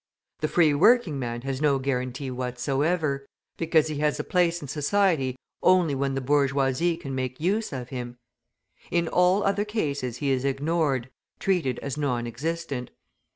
The free working man has no guarantee whatsoever, because he has a place in society only when the bourgeoisie can make use of him; in all other cases he is ignored, treated as non existent.